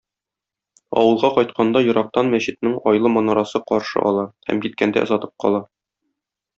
Авылга кайтканда ерактан мәчетнең айлы манарасы каршы ала һәм киткәндә озатып кала.